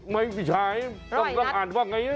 ไม่ใช่ต้องอ่านว่าง่าย